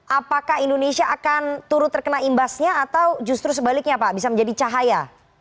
apakah indonesia akan turut terkena imbasnya atau justru sebaliknya pak bisa menjadi cahaya